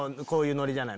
ノリじゃない。